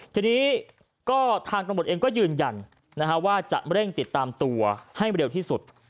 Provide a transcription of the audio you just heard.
ทีนี้ก็ทางตำรวจเองก็ยืนยันว่าจะเร่งติดตามตัวให้เร็วที่สุด